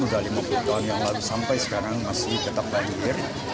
sudah lima puluh tahun yang lalu sampai sekarang masih tetap banjir